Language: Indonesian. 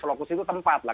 lokus itu tempat lah